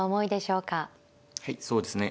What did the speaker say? はいそうですね